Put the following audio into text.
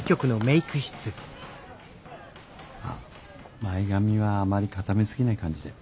あっ前髪はあまり固め過ぎない感じで。